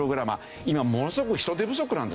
今ものすごく人手不足なんですよ。